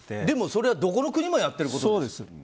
でもそれはどこの国もやってることでしょ。